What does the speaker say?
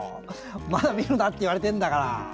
「まだ見るな」って言われてるんだから。